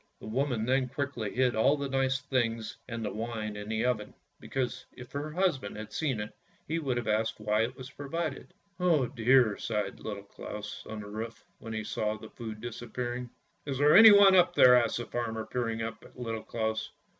The woman then quickly hid all the nice things and the wine in the oven, because if her husband had seen it he would have asked why it was provided. " Oh, dear! " sighed Little Claus, on the roof, when he saw the food disappearing. " Is there anyone up there? " asked the farmer, peering up at Little Claus.